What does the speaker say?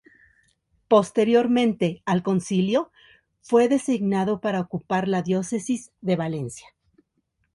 Posteriormente al concilio, fue designado para ocupar la diócesis de Valencia.